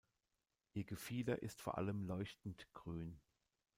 Ihr Gefieder ist vor allem leuchtend grün.